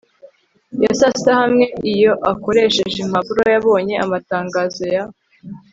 ya sasita hamwe iyo, akoresheje impapuro, yabonye amatangazo ya